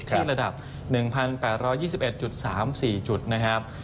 ที่ระดับ๑๘๒๑๓๔จุดนะครับ